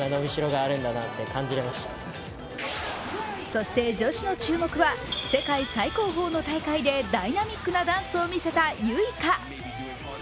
そして女子の注目は世界最高峰の大会でダイナミックなダンスを見せたユイカ。